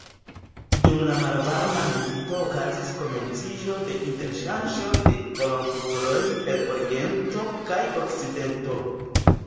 Dum la Malvarma Milito okazis komenciĝo de interŝanĝo de volontuloj el oriento kaj okcidento.